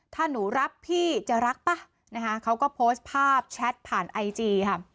ถ้าหนูรับพี่จะรักป่ะนะคะเขาก็โพสต์ภาพแชทผ่านไอจีค่ะ